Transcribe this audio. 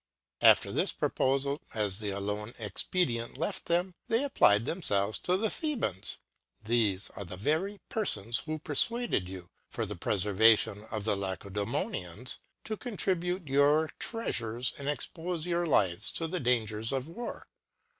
After this Propofal, as the alone Expedient left tiiem, they ap plied thcmfelves to the Thebans. Thefe are the very Perfons, who perfuadedyou, for the Prefervation of the Lacedemonians, to contribute your Treafures, and expofe your Lives to the Dangers of War.